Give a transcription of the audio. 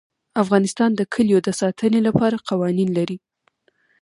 افغانستان د کلیو د ساتنې لپاره قوانین لري.